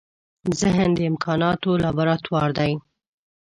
ذهن د امکانونو لابراتوار دی.